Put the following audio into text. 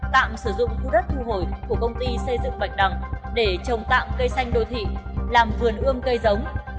tạm sử dụng khu đất thu hồi của công ty xây dựng bạch đằng để trồng tạm cây xanh đô thị làm vườn ươm cây giống